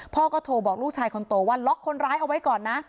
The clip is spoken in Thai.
พ่อก็โทรบอกลูกชายคนโตว่าล็อกคนร้ายเอาไว้ก่อนนะ